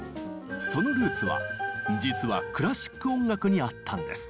そのルーツは実はクラシック音楽にあったんです。